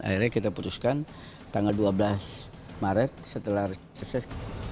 akhirnya kita putuskan tanggal dua belas maret setelah reses